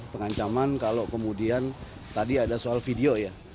pengancaman kalau kemudian tadi ada soal video ya